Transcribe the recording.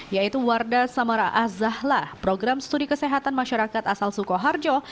yaitu wardah samara azahla program studi kesehatan masyarakat asal sukoharjo